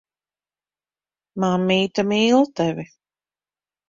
Mammīte mīl tevi.